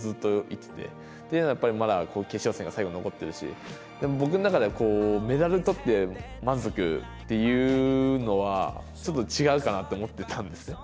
っていうのはやっぱりまだ決勝戦が最後残っているし僕の中ではこうメダルとって満足っていうのはちょっと違うかなって思ってたんですね。